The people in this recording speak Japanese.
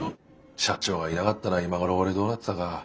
社長がいなかったら今頃俺どうなってたか。